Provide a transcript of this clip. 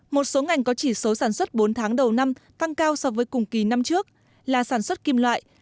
một số ngành có chỉ số sản xuất bốn tháng đầu năm tăng cao so với cùng kỳ năm trước là sản xuất kim loại